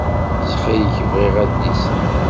Ttxil-k bɣiɣ adlis-a.